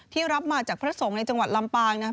รับมาจากพระสงฆ์ในจังหวัดลำปางนะครับ